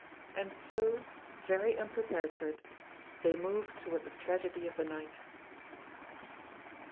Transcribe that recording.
And so, very unprepared for it, they moved toward the tragedy of the night.